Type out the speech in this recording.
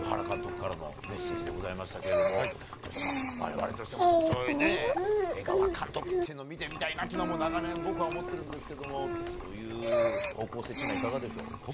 原監督からのメッセージでしたけれども我々としても、江川監督を見てみたいというのは長年僕は思ってるんですけどもそういう方向性というのはいかがでしょう？